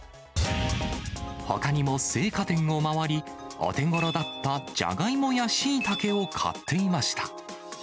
ほかにも青果店を回り、お手ごろだったジャガイモやシイタケを買っていました。